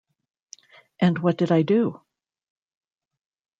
And what did I do?